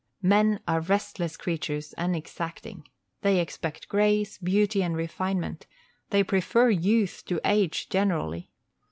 _ Men are restless creatures and exacting. They expect grace, beauty, and refinement; they prefer youth to age, generally.